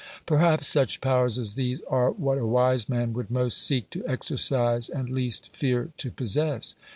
Perhaps such powers as these are what a wise man would most seek to exercise and least fear to possess.